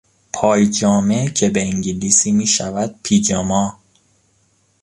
پای جامه که به انگلیسی میشود پیجاما